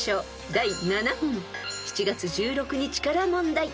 ［第７問７月１６日から問題］